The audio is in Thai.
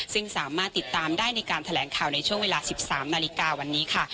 ซึ่งสามารถติดตามได้ในการแถลงข่าวในช่วงเวลา๑๓นาฬิกาวันนี้ค่ะ